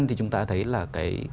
thì chúng ta thấy là cái